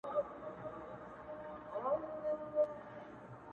زوی یې زور کاوه پر لور د تورو غرونو؛